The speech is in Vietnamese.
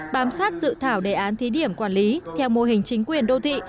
bám sát dự thảo đề án thí điểm quản lý theo mô hình chính quyền đô thị